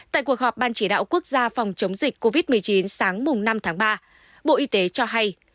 tại cuộc họp ban chỉ đạo quốc gia phòng chống dịch covid một mươi chín sáng năm tháng ba bộ y tế cho hay